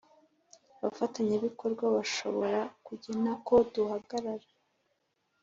abafatanyabikorwa bashobora kugena ko duhagarara